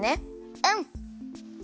うん。